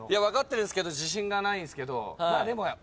分かってるんですけど自信がないんですけどでも。